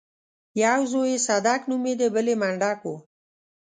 يو زوی يې صدک نومېده بل يې منډک و.